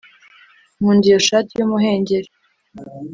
nkunda iyo shati y'umuhengeri